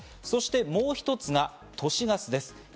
そして、もう一つが都市ガスです。